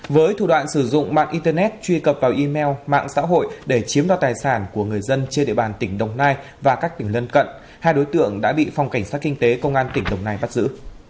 với thủ đoạn sử dụng mạng internet truy cập vào email mạng xã hội để chiếm đoạt tài sản của người dân trên địa bàn tỉnh đồng nai và các tỉnh lân cận hai đối tượng đã bị phòng cảnh sát kinh tế công an tỉnh đồng nai bắt giữ